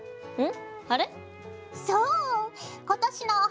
うん。